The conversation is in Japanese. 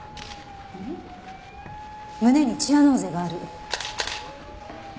胸にチアノーゼがある。